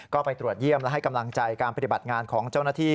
ก็ไปตรวจเยี่ยมและให้กำลังใจการปฏิบัติงานของเจ้าหน้าที่